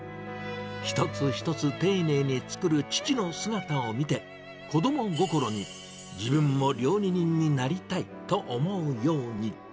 一つ一つ丁寧に作る父の姿を見て、子ども心に自分も料理人になりたいと思うように。